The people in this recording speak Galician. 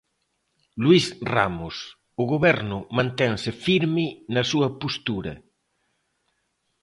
Luís Ramos, o Goberno mantense firme na súa postura.